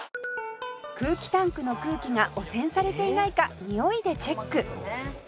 「空気タンクの空気が汚染されていないかにおいでチェック」